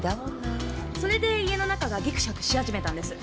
それで家の中がギクシャクし始めたんです。